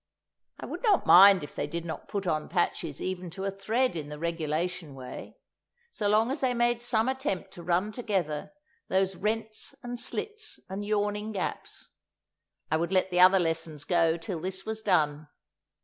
I would not mind if they did not put on patches even to a thread in the regulation way, so long as they made some attempt to run together those rents and slits and yawning gaps. I would let the other lessons go till this was done.